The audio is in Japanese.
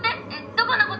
どこのこと？